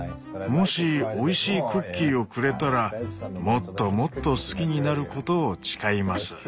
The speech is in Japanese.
もしおいしいクッキーをくれたらもっともっと好きになることを誓います。